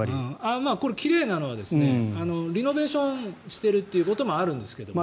これ、奇麗なのはリノベーションしているということもあるんですけどね。